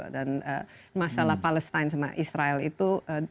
dan masalah palestine sama israel itu